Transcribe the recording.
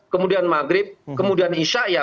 kemudian maghrib kemudian isya'iyah